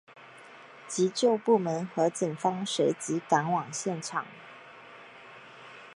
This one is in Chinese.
急救部门和警方随即赶往现场。